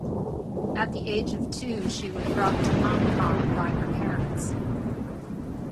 At the age of two, she was brought to Hong Kong by her parents.